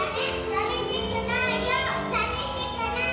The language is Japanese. さみしくないよ。